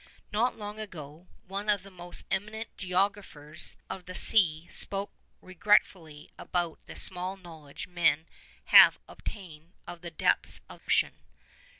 Not long ago, one of the most eminent geographers of the sea spoke regretfully about the small knowledge men have obtained of the depths of ocean.